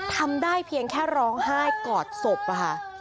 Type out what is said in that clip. ทำได้เพียงแค่ร้องไห้กอดศพอะค่ะ